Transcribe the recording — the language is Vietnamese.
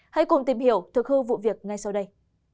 hãy cùng tìm hiểu thực hư vụ việc ngay sau đây